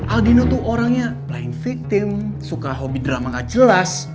aldino tuh orangnya lain victim suka hobi drama gak jelas